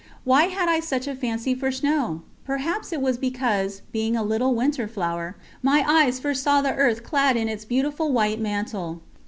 Why had I such a fancy for snow? Perhaps it was because, being a little winter flower, my eyes first saw the earth clad in its beautiful white mantle.